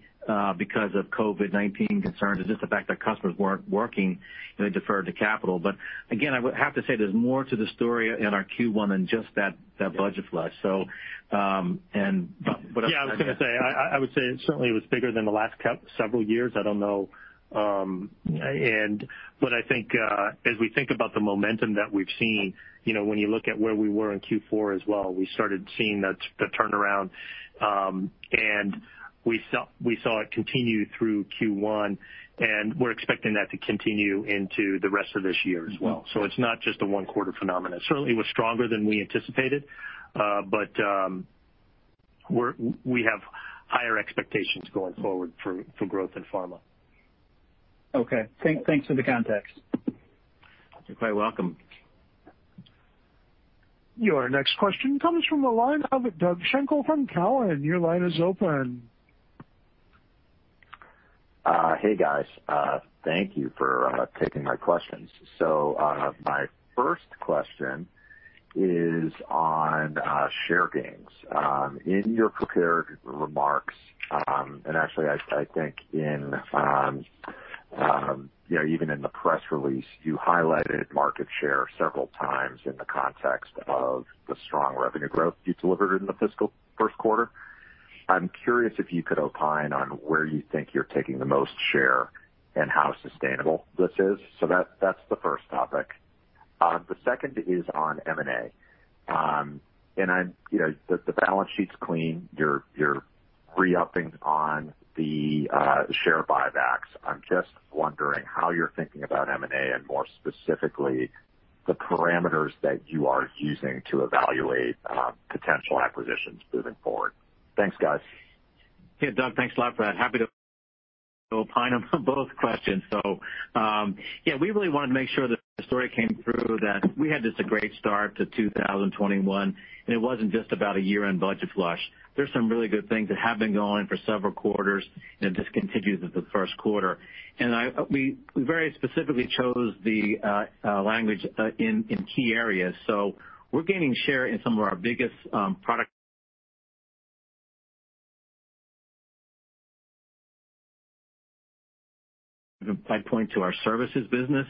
because of COVID-19 concerns and just the fact that customers weren't working, they deferred the capital. Again, I would have to say there's more to the story in our Q1 than just that budget flush. Yeah, I was going to say, I would say certainly it was bigger than the last several years. I don't know. I think as we think about the momentum that we've seen, when you look at where we were in Q4 as well, we started seeing the turnaround, and we saw it continue through Q1, and we're expecting that to continue into the rest of this year as well. It's not just a one-quarter phenomenon. Certainly, it was stronger than we anticipated. We have higher expectations going forward for growth in pharma. Okay. Thanks for the context. You're quite welcome. Your next question comes from the line of Doug Schenkel from Cowen. Your line is open. Hey, guys. Thank you for taking my questions. My first question is on share gains. In your prepared remarks, actually I think even in the press release, you highlighted market share several times in the context of the strong revenue growth you delivered in the fiscal first quarter. I'm curious if you could opine on where you think you're taking the most share and how sustainable this is. That's the first topic. The second is on M&A. The balance sheet's clean. You're re-upping on the share buybacks. I'm just wondering how you're thinking about M&A, more specifically, the parameters that you are using to evaluate potential acquisitions moving forward. Thanks, guys. Hey, Doug. Thanks a lot for that. Happy to opine on both questions. Yeah, we really wanted to make sure the story came through that we had just a great start to 2021, and it wasn't just about a year-end budget flush. There's some really good things that have been going for several quarters, and this continues with the first quarter. We very specifically chose the language in key areas. We're gaining share in some of our biggest product. I'd point to our services business.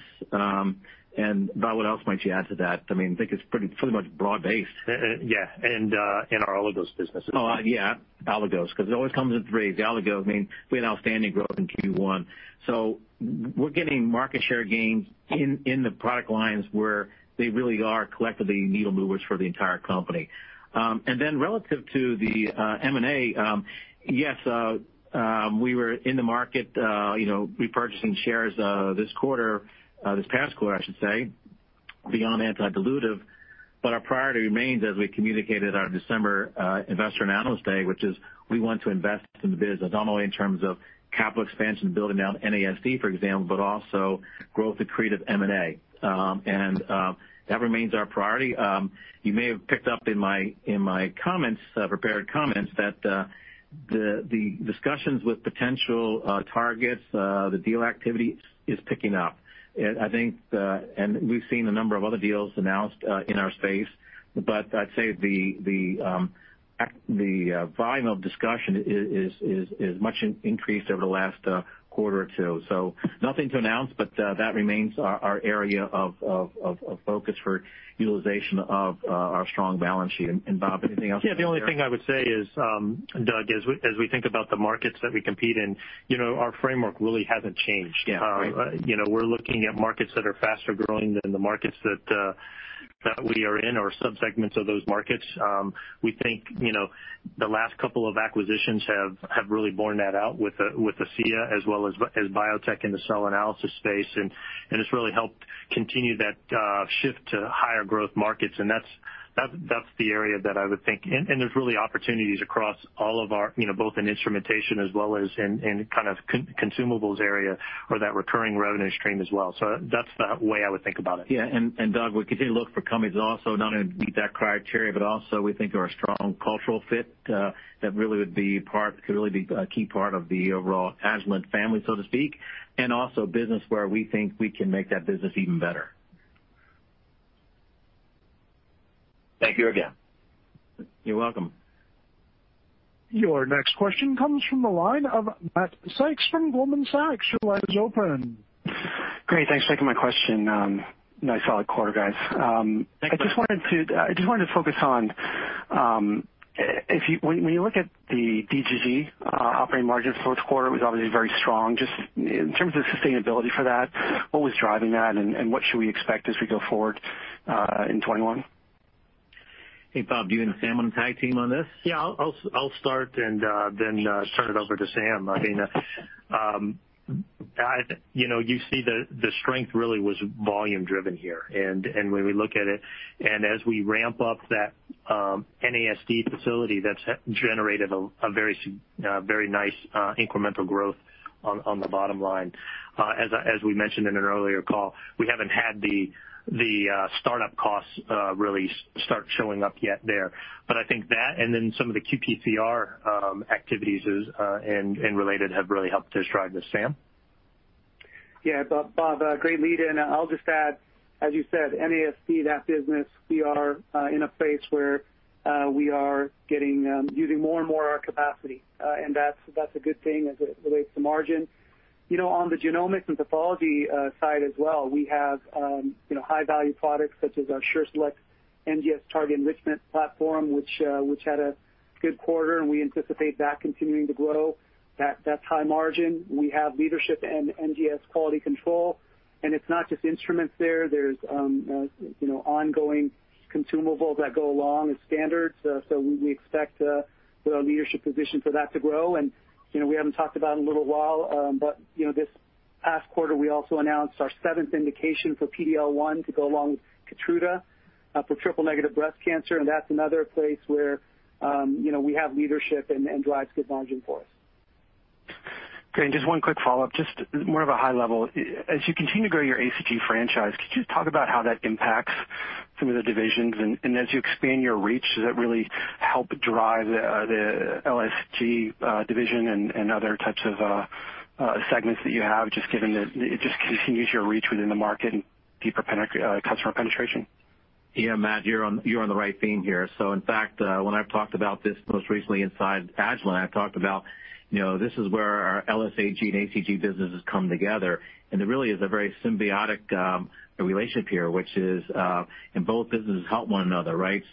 Bob, what else might you add to that? I think it's pretty much broad-based. Yeah. Our oligos business as well. Oh, yeah, oligos, because it always comes in threes. The oligos, we had outstanding growth in Q1. We're getting market share gains in the product lines where they really are collectively needle movers for the entire company. Relative to the M&A, yes, we were in the market repurchasing shares this quarter, this past quarter, I should say, beyond anti-dilutive. Our priority remains, as we communicated our December investor and analyst day, which is we want to invest in the business, not only in terms of capital expansion and building out NASD, for example, but also growth accretive M&A. That remains our priority. You may have picked up in my prepared comments that the discussions with potential targets, the deal activity is picking up. We've seen a number of other deals announced in our space, but I'd say the volume of discussion is much increased over the last quarter or two. Nothing to announce, but that remains our area of focus for utilization of our strong balance sheet. Bob, anything else you'd share? Yeah, the only thing I would say is, Doug, as we think about the markets that we compete in, our framework really hasn't changed. Yeah. Right. We're looking at markets that are faster growing than the markets that we are in or sub-segments of those markets. We think the last couple of acquisitions have really borne that out with ACEA as well as BioTek in the cell analysis space. It's really helped continue that shift to higher growth markets. That's the area that I would think. There's really opportunities both in instrumentation as well as in kind of consumables area or that recurring revenue stream as well. That's the way I would think about it. Yeah. Doug, we continue to look for companies also not only meet that criteria, but also we think are a strong cultural fit that really could be a key part of the overall Agilent family, so to speak, and also business where we think we can make that business even better. Thank you again. You're welcome. Your next question comes from the line of Matt Sykes from Goldman Sachs. Your line is open. Great. Thanks for taking my question. Nice solid quarter, guys. Thank you. I just wanted to focus on when you look at the DGG operating margins first quarter, it was obviously very strong. Just in terms of sustainability for that, what was driving that and what should we expect as we go forward in 2021? Hey, Bob, do you and Sam want to tag team on this? Yeah. I'll start and then turn it over to Sam. You see the strength really was volume driven here. When we look at it, and as we ramp up that NASD facility, that's generated a very nice incremental growth on the bottom line. As we mentioned in an earlier call, we haven't had the startup costs really start showing up yet there. I think that, and then some of the qPCR activities and related have really helped to drive this. Sam? Yeah. Bob, great lead-in. I'll just add, as you said, NASD, that business, we are in a place where we are using more and more our capacity, and that's a good thing as it relates to margin. On the genomics and pathology side as well, we have high-value products such as our SureSelect NGS target enrichment platform, which had a good quarter, and we anticipate that continuing to grow. That's high margin. We have leadership in NGS quality control, and it's not just instruments there. There's ongoing consumables that go along as standards. We expect our leadership position for that to grow. We haven't talked about in a little while, but this past quarter, we also announced our seventh indication for PD-L1 to go along with KEYTRUDA for triple-negative breast cancer, and that's another place where we have leadership and drives good margin for us. Okay, just one quick follow-up, just more of a high level. As you continue to grow your ACG franchise, could you talk about how that impacts some of the divisions? As you expand your reach, does that really help drive the LSG division and other types of segments that you have, just given that it just continues your reach within the market and deeper customer penetration? Yeah, Matt, you're on the right theme here. In fact, when I've talked about this most recently inside Agilent, I've talked about this is where our LSAG and ACG businesses come together, and it really is a very symbiotic relationship here, and both businesses help one another, right?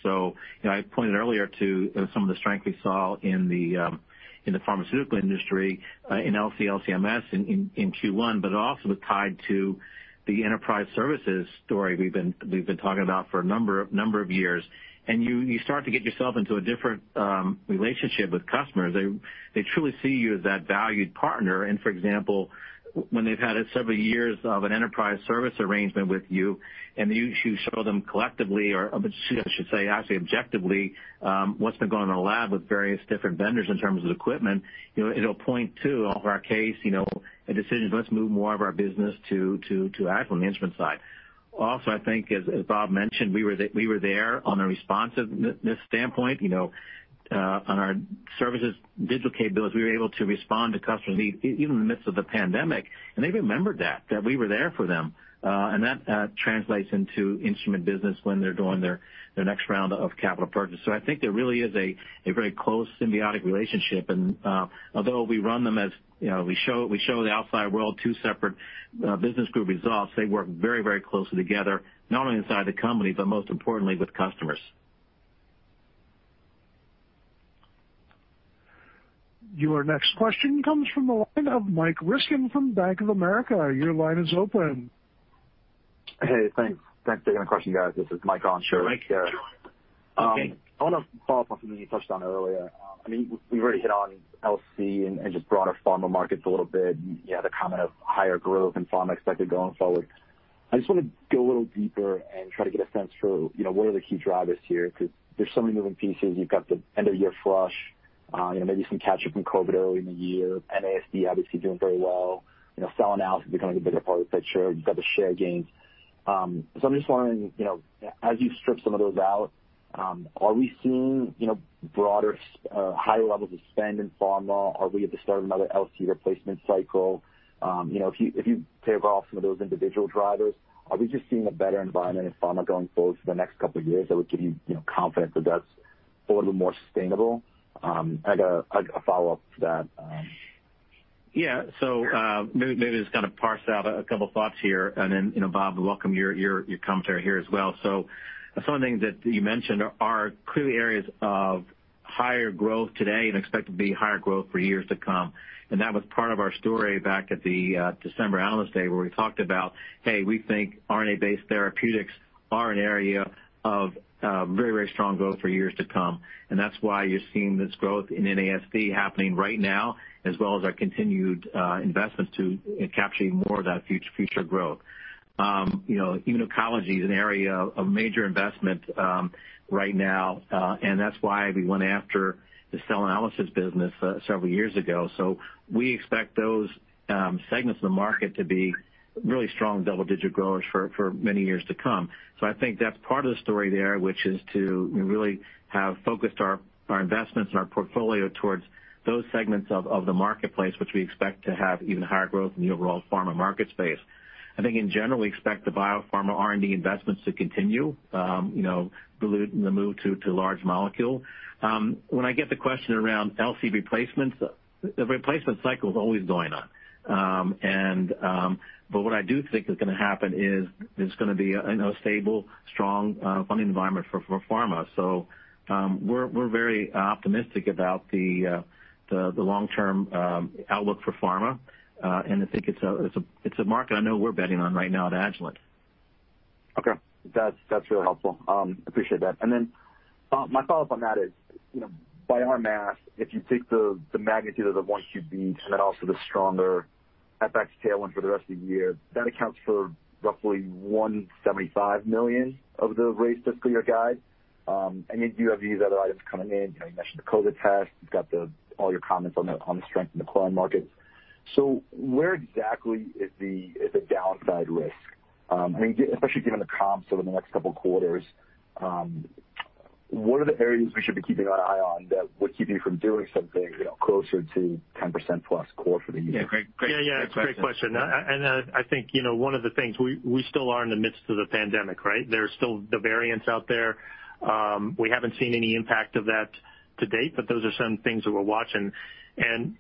I pointed earlier to some of the strength we saw in the pharmaceutical industry, in LC-LC-MS in Q1, but it also is tied to the enterprise services story we've been talking about for a number of years. You start to get yourself into a different relationship with customers. They truly see you as that valued partner and, for example, when they've had several years of an enterprise service arrangement with you, and you show them collectively or, I should say, actually objectively, what's been going on in the lab with various different vendors in terms of equipment, it'll point to, in our case, a decision, "Let's move more of our business to Agilent's instrument side." Also, I think, as Bob mentioned, we were there on the responsiveness standpoint on our services digital capabilities. We were able to respond to customer needs even in the midst of the pandemic, and they remembered that we were there for them. That translates into instrument business when they're doing their next round of capital purchases. I think there really is a very close symbiotic relationship. Although we run them as we show the outside world two separate business group results, they work very closely together, not only inside the company, but most importantly with customers. Your next question comes from the line of Michael Ryskin from Bank of America. Your line is open. Hey, thanks. Thanks for taking the question, guys. This is Mike on. Sure. Mike. Sure. I want to follow up on something you touched on earlier. We've already hit on LC and just broader pharma markets a little bit, and you had the comment of higher growth in pharma expected going forward. I just want to go a little deeper and try to get a sense for what are the key drivers here, because there's so many moving pieces. You've got the end-of-year flush, maybe some catch-up from COVID early in the year. NASD obviously doing very well. Cell analysis is becoming a bigger part of the picture. You've got the share gains. I'm just wondering, as you strip some of those out, are we seeing broader, higher levels of spend in pharma? Are we at the start of another LC replacement cycle? If you take off some of those individual drivers, are we just seeing a better environment in pharma going forward for the next couple of years that would give you confidence that that's a little more sustainable? I got a follow-up to that. Yeah. Maybe just kind of parse out a couple thoughts here, and then, Bob, welcome your commentary here as well. Some of the things that you mentioned are clearly areas of higher growth today and expected to be higher growth for years to come. That was part of our story back at the December Analyst Day, where we talked about, hey, we think RNA-based therapeutics are an area of very strong growth for years to come, and that's why you're seeing this growth in NASD happening right now, as well as our continued investments to capturing more of that future growth. Immuno-oncology is an area of major investment right now, and that's why we went after the cell analysis business several years ago. We expect those segments of the market to be really strong double-digit growers for many years to come. I think that's part of the story there, which is to really have focused our investments and our portfolio towards those segments of the marketplace, which we expect to have even higher growth in the overall pharma market space. I think in general, we expect the biopharma R&D investments to continue, the move to large molecule. When I get the question around LC replacements, the replacement cycle is always going on. what I do think is going to happen is there's going to be a stable, strong funding environment for pharma. we're very optimistic about the long-term outlook for pharma, and I think it's a market I know we're betting on right now at Agilent. Okay. That's really helpful. Appreciate that. Bob, my follow-up on that is, by our math, if you take the magnitude of the 1Q Beat and then also the stronger FX tailwind for the rest of the year, that accounts for roughly $175 million of the raised fiscal year guide. You have these other items coming in. You mentioned the COVID test. You've got all your comments on the strength in the client markets. Where exactly is a downside risk? Especially given the comps over the next couple of quarters. What are the areas we should be keeping our eye on that would keep you from doing something closer to 10% plus core for the year? Yeah, great question. Yeah. It's a great question. I think, one of the things, we still are in the midst of the pandemic, right? There are still the variants out there. We haven't seen any impact of that to date, but those are some things that we're watching.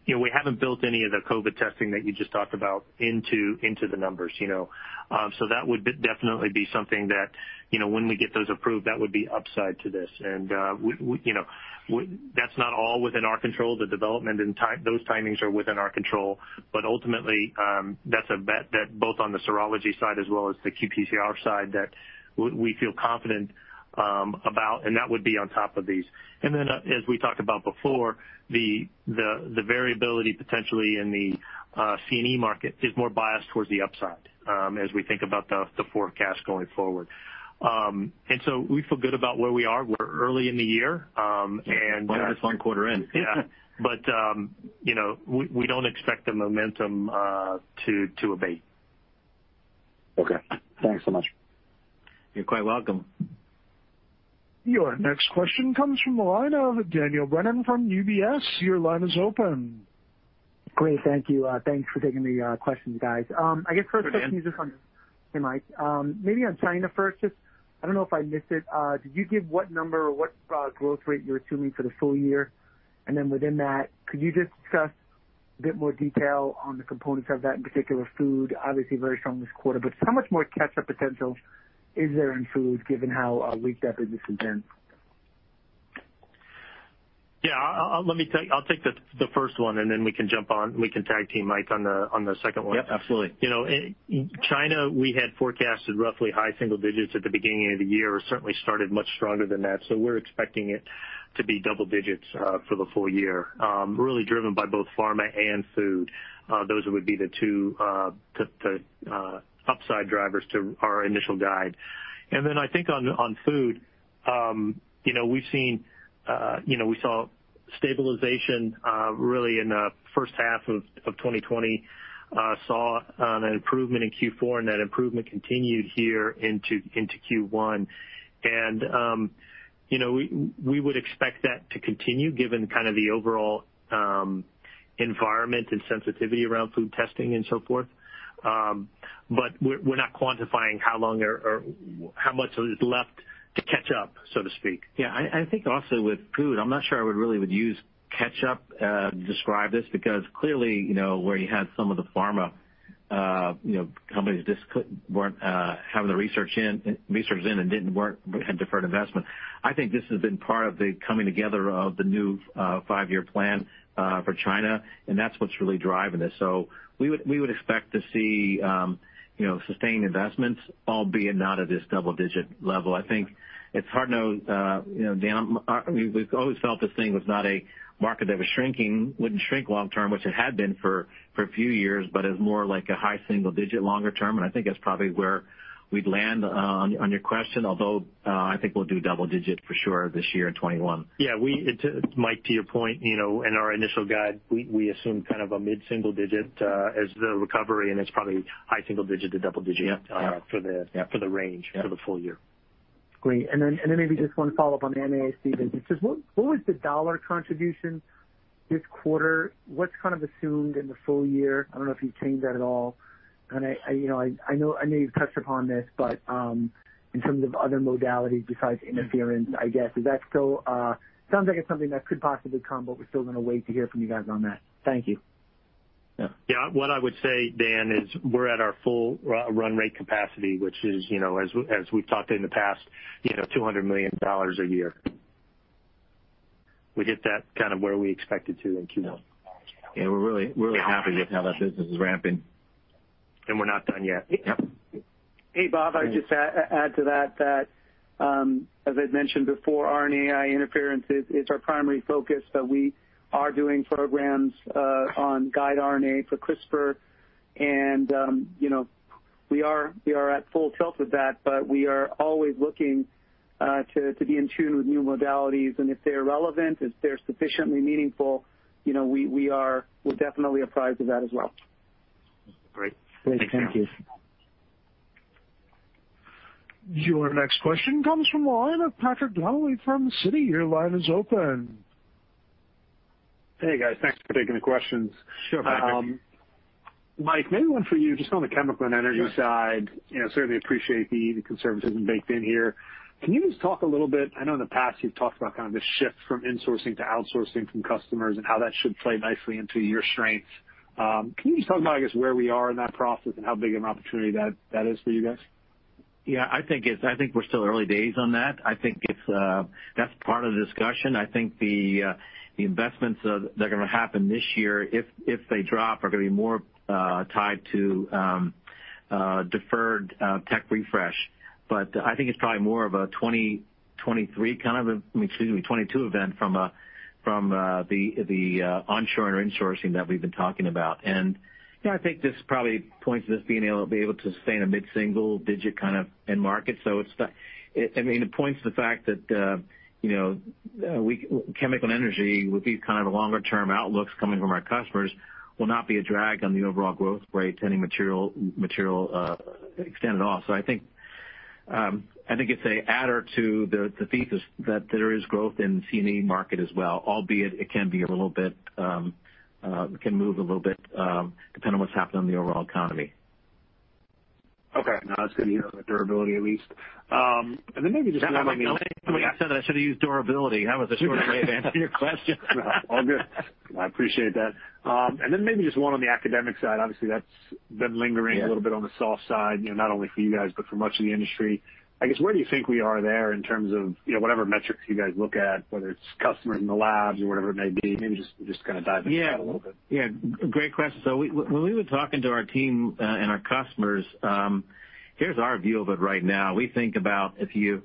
We haven't built any of the COVID testing that you just talked about into the numbers. That would definitely be something that, when we get those approved, that would be upside to this. That's not all within our control. The development and those timings are within our control, but ultimately, that's a bet that both on the serology side as well as the qPCR side, that we feel confident about, and that would be on top of these. As we talked about before, the variability potentially in the C&E market is more biased towards the upside, as we think about the forecast going forward. We feel good about where we are. We're early in the year. We're about one quarter in. Yeah. We don't expect the momentum to abate. Okay. Thanks so much. You're quite welcome. Your next question comes from the line of Daniel Brennan from UBS. Your line is open. Great. Thank you. Thanks for taking the questions, guys. Go ahead, Dan. Hey, Mike. Maybe on China first, just, I don't know if I missed it. Did you give what number or what growth rate you're assuming for the full year? then within that, could you just discuss a bit more detail on the components of that, in particular food, obviously very strong this quarter. how much more catch-up potential is there in food given how weak that business has been? Yeah. I'll take the first one, and then we can jump on, we can tag team Mike on the second one. Yep, absolutely. In China, we had forecasted roughly high single digits at the beginning of the year. We certainly started much stronger than that. We're expecting it to be double digits for the full year. Really driven by both pharma and food. Those would be the two upside drivers to our initial guide. I think on food, we saw stabilization really in the first half of 2020. Saw an improvement in Q4, and that improvement continued here into Q1. We would expect that to continue given kind of the overall environment and sensitivity around food testing and so forth. We're not quantifying how long or how much is left to catch up, so to speak. Yeah. I think also with food, I'm not sure I really would use catch up to describe this because clearly, where you had some of the pharma companies just weren't having the research in and had deferred investment. I think this has been part of the coming together of the new five-year plan for China, and that's what's really driving this. We would expect to see sustained investments, albeit not at this double-digit level. We've always felt this thing was not a market that was shrinking, wouldn't shrink long term, which it had been for a few years, but is more like a high single digit longer term. I think that's probably where we'd land on your question. Although, I think we'll do double digit for sure this year in 2021. Yeah. Mike, to your point, in our initial guide, we assumed kind of a mid-single digit as the recovery, and it's probably high single digit to double digit- Yep for the range- Yeah for the full year. Great. Maybe just one follow-up on the M&A, Steve. Just what was the dollar contribution this quarter? What's kind of assumed in the full year? I don't know if you've changed that at all. I know you've touched upon this, but in terms of other modalities besides interference, I guess, is that still. Sounds like it's something that could possibly come, but we're still going to wait to hear from you guys on that. Thank you. Yeah. Yeah. What I would say, Dan, is we're at our full run rate capacity, which is, as we've talked in the past, $200 million a year. We hit that kind of where we expected to in Q1. Yeah, we're really happy with how that business is ramping. we're not done yet. Yep. Hey, Bob, I'd just add to that, as I'd mentioned before, RNAi interference is our primary focus, but we are doing programs on guide RNA for CRISPR and we are at full tilt with that. We are always looking to be in tune with new modalities and if they're relevant, if they're sufficiently meaningful, we'll definitely apprise of that as well. Great. Thank you. Great. Thank you. Your next question comes from the line of Patrick Donnelly from Citi. Your line is open. Hey, guys. Thanks for taking the questions. Sure, Patrick. Mike, maybe one for you just on the chemical and energy side. Certainly appreciate the conservatism baked in here. Can you just talk a little bit, I know in the past you've talked about kind of the shift from insourcing to outsourcing from customers and how that should play nicely into your strengths. Can you just talk about, I guess, where we are in that process and how big of an opportunity that is for you guys? Yeah, I think we're still early days on that. I think that's part of the discussion. I think the investments that are going to happen this year, if they drop, are going to be more tied to deferred tech refresh. I think it's probably more of a 2023 kind of, excuse me, 2022 event from the onshoring or insourcing that we've been talking about. I think this probably points to this being able to sustain a mid-single digit kind of end market. it points to the fact that chemical and energy would be kind of a longer-term outlooks coming from our customers, will not be a drag on the overall growth rate to any material extended off. I think it's an adder to the thesis that there is growth in the C and E market as well, albeit, it can move a little bit depending on what's happening in the overall economy. Okay. No, I was going to hear the durability at least. maybe just one on the- When you said that I should've used durability, that was a short way of answering your question. No, all good. I appreciate that. maybe just one on the academic side. Obviously, that's been lingering- Yeah A little bit on the soft side, not only for you guys, but for much of the industry. I guess, where do you think we are there in terms of whatever metrics you guys look at, whether it's customers in the labs or whatever it may be? Maybe just kind of dive into that a little bit. Yeah. Great question. When we were talking to our team, and our customers, here's our view of it right now. We think about 30%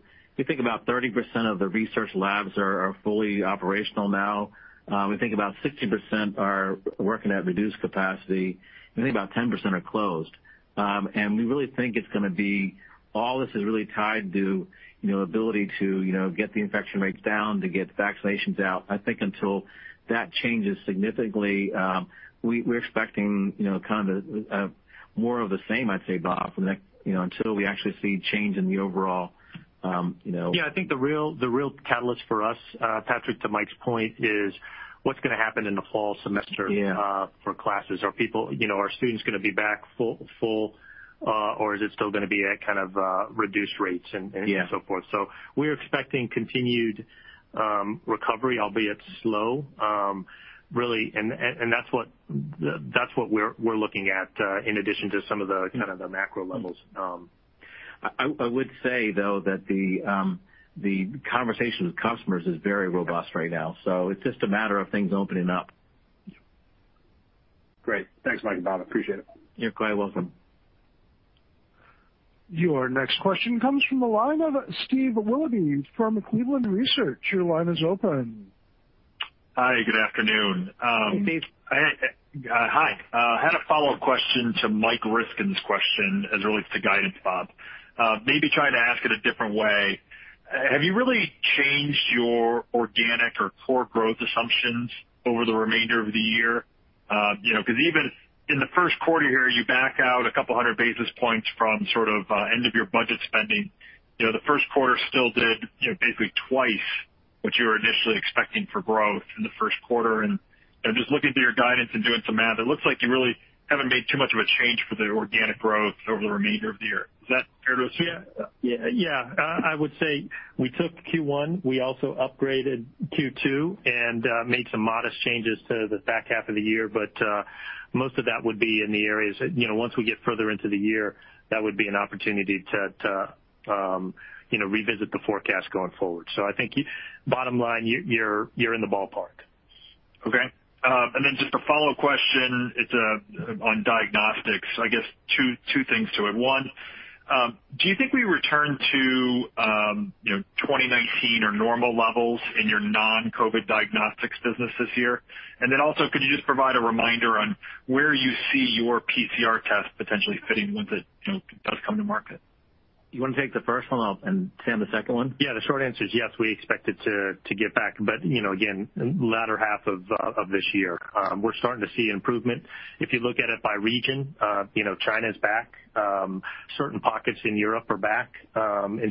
of the research labs are fully operational now. We think about 60% are working at reduced capacity, and we think about 10% are closed. We really think it's going to be, all this is really tied to ability to get the infection rates down, to get vaccinations out. I think until that changes significantly, we're expecting kind of more of the same, I'd say, Bob, until we actually see change in the overall- Yeah, I think the real catalyst for us, Patrick, to Mike's point is, what's going to happen in the fall semester- Yeah for classes. Are students going to be back full, or is it still going to be at kind of reduced rates and so forth? Yeah. we're expecting continued recovery, albeit slow. Really, and that's what we're looking at, in addition to some of the kind of the macro levels. I would say, though, that the conversation with customers is very robust right now, so it's just a matter of things opening up. Great. Thanks, Mike and Bob. Appreciate it. You're quite welcome. Your next question comes from the line of Steve Willoughby from Cleveland Research. Your line is open. Hi, good afternoon. Hey, Steve. Hi. I had a follow-up question to Mike Ryskin's question as it relates to guidance, Bob. Maybe trying to ask it a different way, have you really changed your organic or core growth assumptions over the remainder of the year? Because even in the first quarter here, you back out a couple of hundred basis points from sort of end of year budget spending. The first quarter still did basically twice what you were initially expecting for growth in the first quarter. Just looking through your guidance and doing some math, it looks like you really haven't made too much of a change for the organic growth over the remainder of the year. Is that fair to assume? Yeah. I would say we took Q1. We also upgraded Q2 and made some modest changes to the back half of the year. Most of that would be in the areas, once we get further into the year, that would be an opportunity to revisit the forecast going forward. I think, bottom line, you're in the ballpark. Okay. just a follow question. It's on diagnostics. I guess two things to it. One, do you think we return to 2019 or normal levels in your non-COVID diagnostics business this year? also, could you just provide a reminder on where you see your PCR test potentially fitting once it does come to market? You want to take the first one, and Sam, the second one? Yeah, the short answer is yes, we expect it to get back. Again, latter half of this year. We're starting to see improvement. If you look at it by region, China's back. Certain pockets in Europe are back.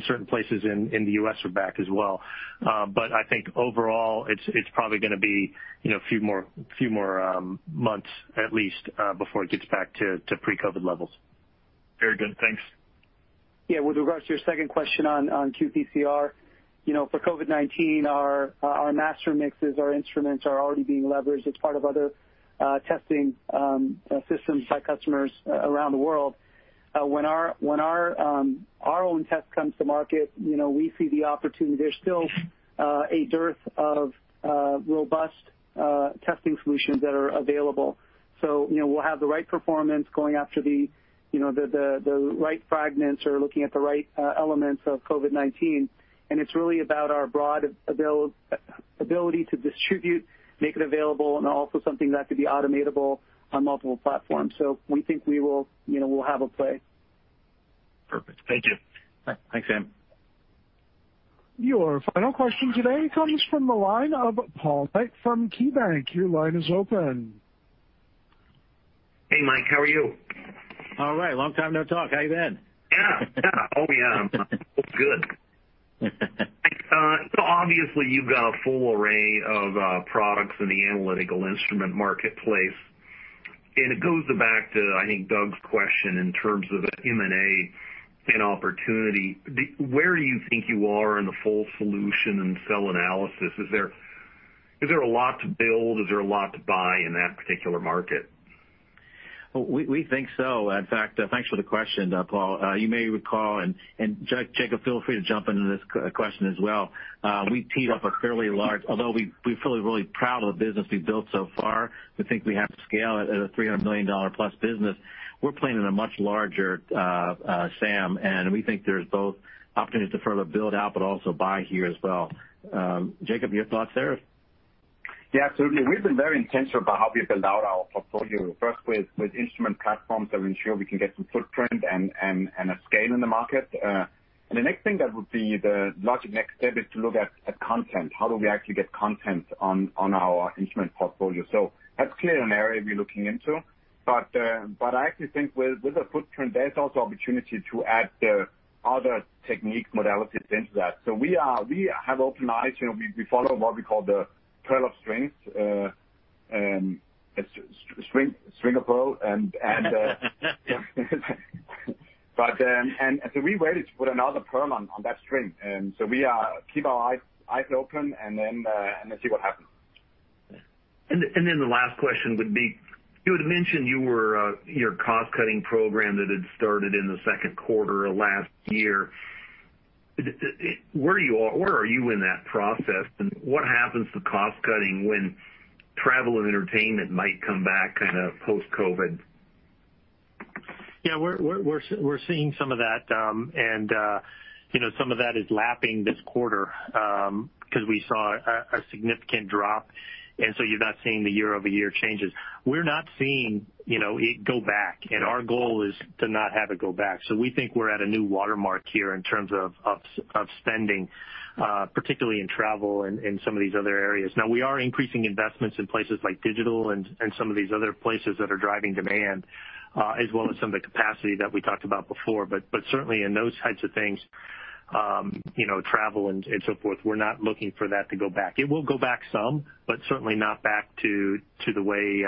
Certain places in the U.S. are back as well. I think overall, it's probably going to be a few more months at least, before it gets back to pre-COVID levels. Very good. Thanks. Yeah, with regards to your second question on qPCR. For COVID-19, our master mixes, our instruments are already being leveraged as part of other testing systems by customers around the world. When our own test comes to market, we see the opportunity. There's still a dearth of robust testing solutions that are available. We'll have the right performance going after the right fragments or looking at the right elements of COVID-19, and it's really about our broad ability to distribute, make it available, and also something that could be automatable on multiple platforms. We think we'll have a play. Perfect. Thank you. Bye. Thanks, Sam. Your final question today comes from the line of Paul Knight from KeyBanc. Your line is open. Hey, Mike, how are you? All right. Long time, no talk. How you been? Yeah. Oh, yeah. I'm good. Obviously, you've got a full array of products in the analytical instrument marketplace. It goes back to, I think, Doug's question in terms of M&A and opportunity. Where do you think you are in the full solution in cell analysis? Is there a lot to build? Is there a lot to buy in that particular market? We think so. In fact, thanks for the question, Paul. You may recall, and Jacob, feel free to jump into this question as well. Although we feel really proud of the business we've built so far. We think we have to scale it at a $300 million plus business. We're playing in a much larger SAM, and we think there's both opportunities to further build out, but also buy here as well. Jacob, your thoughts there? Yeah, absolutely. We've been very intentional about how we build out our portfolio, first with instrument platforms that ensure we can get some footprint and a scale in the market. The next thing that would be the logical next step is to look at content. How do we actually get content on our instrument portfolio? That's clearly an area we're looking into. I actually think with a footprint, there's also opportunity to add the other technique modalities into that. We have open eyes. We follow what we call the pearl of strings string of pearls. We're ready to put another pearl on that string. We keep our eyes open and then see what happens. the last question would be, you had mentioned your cost-cutting program that had started in the second quarter of last year. Where are you in that process, and what happens to cost-cutting when travel and entertainment might come back kind of post-COVID? Yeah, we're seeing some of that. some of that is lapping this quarter, because we saw a significant drop, and so you're not seeing the year-over-year changes. We're not seeing it go back, and our goal is to not have it go back. we think we're at a new watermark here in terms of spending, particularly in travel and in some of these other areas. we are increasing investments in places like digital and some of these other places that are driving demand, as well as some of the capacity that we talked about before. certainly in those types of things, travel and so forth, we're not looking for that to go back. It will go back some, but certainly not back to the way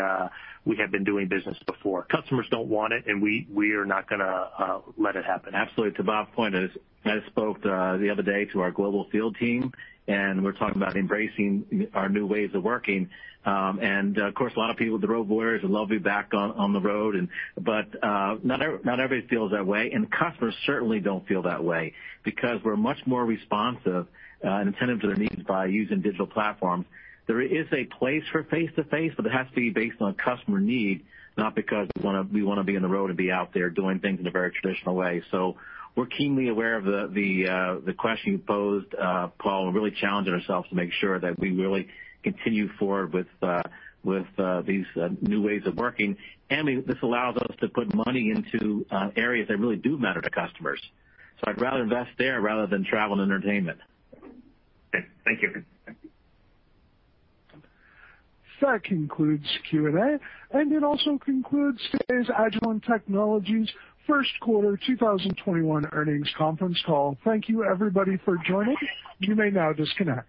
we have been doing business before. Customers don't want it, and we are not going to let it happen. Absolutely. To Bob's point, I spoke the other day to our global field team, and we're talking about embracing our new ways of working. Of course, a lot of people, the road warriors would love to be back on the road but not everybody feels that way, and customers certainly don't feel that way because we're much more responsive and attentive to their needs by using digital platforms. There is a place for face-to-face, but it has to be based on customer need, not because we want to be on the road and be out there doing things in a very traditional way. We're keenly aware of the question you posed, Paul, and really challenging ourselves to make sure that we really continue forward with these new ways of working. This allows us to put money into areas that really do matter to customers. I'd rather invest there rather than travel and entertainment. Okay. Thank you. That concludes Q&A, and it also concludes today's Agilent Technologies first quarter 2021 earnings conference call. Thank you everybody for joining. You may now disconnect.